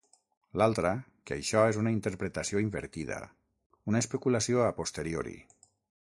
L'altra, que això és una interpretació invertida, una especulació a posteriori.